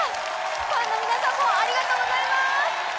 ファンの皆さんもありがとうございます。